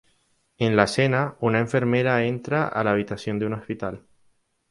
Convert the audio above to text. En la escena, una enfermera entra en la habitación de un hospital.